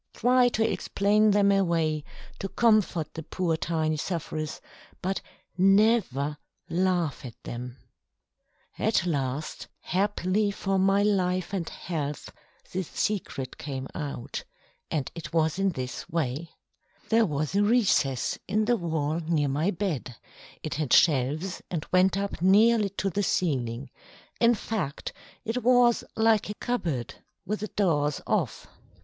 Try to explain them away, to comfort the poor tiny sufferers, but never laugh at them. At last, happily for my life and health, the secret came out, and it was in this way: There was a recess in the wall near my bed; it had shelves and went up nearly to the ceiling; in fact, it was like a cupboard with the doors off.